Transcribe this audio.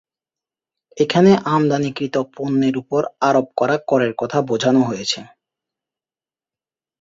এখানে আমদানিকৃত পণ্যের উপর আরোপ করা করের কথা বোঝানো হয়েছে।